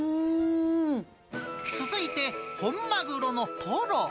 続いて、本マグロのトロ。